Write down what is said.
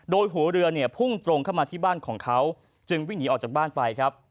โดยหัวเรือเนี่ยพุ่งตรงเข้ามาที่บ้านของเขาจึงวิ่งหนีออกจากบ้านไปครับ